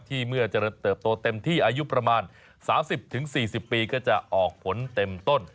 เมื่อเจริญเติบโตเต็มที่อายุประมาณ๓๐๔๐ปีก็จะออกผลเต็มต้น